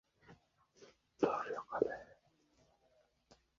— Suyunchisiga biror nima atamasangiz, kalishingiznida bermayman.